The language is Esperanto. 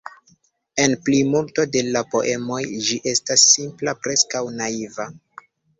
En plimulto de la poemoj ĝi estas simpla, preskaŭ naiva.